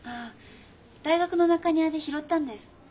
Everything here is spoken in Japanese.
大学の中庭で拾ったんです。